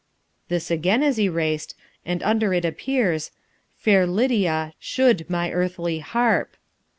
This again is erased, and under it appears, "Fair Lydia, SHOULD my earthly harp."